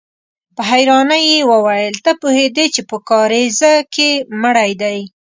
په حيرانۍ يې وويل: ته پوهېدې چې په کاريزه کې مړی دی؟